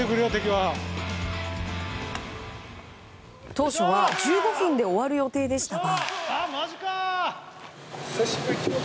当初は１５分で終わる予定でしたが。